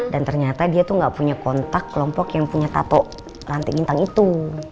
dan ternyata dia tuh gak punya kontak kelompok yang punya tato ranting bintang itu